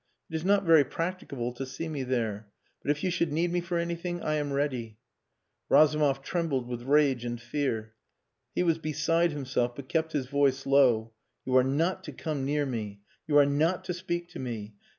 It is not very practicable to see me there, but if you should need me for anything I am ready...." Razumov trembled with rage and fear. He was beside himself, but kept his voice low. "You are not to come near me. You are not to speak to me.